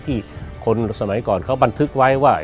ที่คนสมัยก่อนเขาบันทึกไว้ว่า